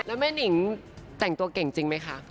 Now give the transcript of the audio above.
แล้วแม่นิงแต่งตัวเก่งจริงไหมคะ